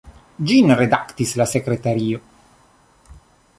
Ĝin redaktis la sekretario.